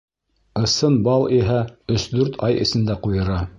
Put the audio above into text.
Ысын бал иһә өс-дүрт ай эсендә ҡуйыра.